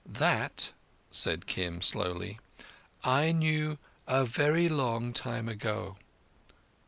"That," said Kim slowly, "I knew a very long time ago."